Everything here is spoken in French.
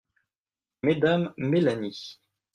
Mmes Mélanie.